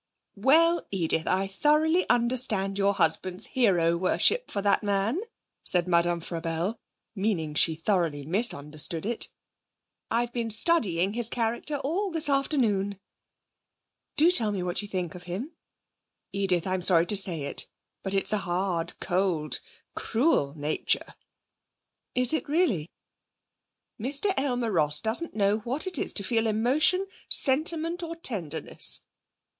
'Well, Edith, I thoroughly understand your husband's hero worship for that man,' said Madame Frabelle (meaning she thoroughly misunderstood it). 'I've been studying his character all this afternoon.' 'Do tell me what you think of him!' 'Edith, I'm sorry to say it, but it's a hard, cold, cruel nature.' 'Is it really?' 'Mr Aylmer Ross doesn't know what it is to feel emotion, sentiment, or tenderness.